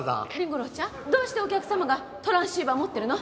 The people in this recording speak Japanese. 凛吾郎ちゃんどうしてお客様がトランシーバー持ってるの？